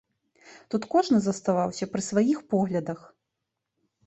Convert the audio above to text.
Тут кожны заставаўся пры сваіх поглядах.